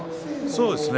そうですね。